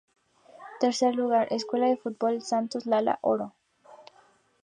Tercer lugar: Escuela de Fútbol Santos Lala Oro.